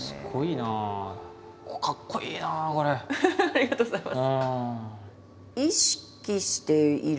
ありがとうございます。